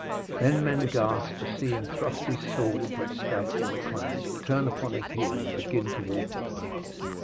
Then men gasped to see him thrust his sword into its scabbard with a clang, turn on his heel and begin to walk away.